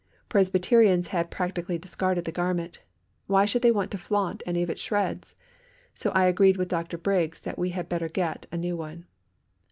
Presbyterians had practically discarded the garment. Why should they want to flaunt any of its shreds? So I agreed with Dr. Briggs, that we had better get a new one.